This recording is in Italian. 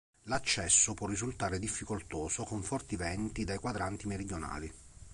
L'accesso può risultare difficoltoso con forti venti dai quadranti meridionali.